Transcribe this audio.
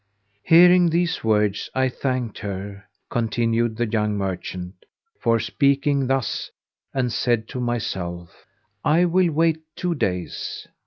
Hearing these words I thanked her (continued the young merchant) for speaking thus, and said to myself, "I will wait two days."